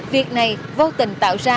việc này vô tình tạo ra